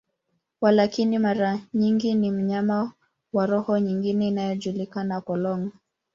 Walakini, mara nyingi ni mnyama wa roho nyingine inayojulikana, polong.